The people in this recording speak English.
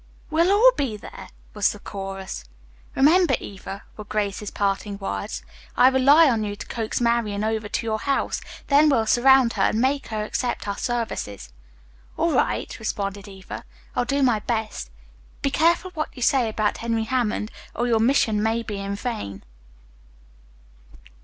"We'll all be there!" was the chorus. "Remember, Eva," were Grace's parting words, "I rely on you to coax Marian over to your house, then we'll surround her and make her accept our services." "All right," responded Eva. "I'll do my best. Be careful what you say about Henry Hammond, or your mission may be in vain."